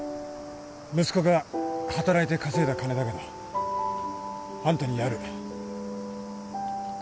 息子が働いて稼いだ金だけどあんたにやる。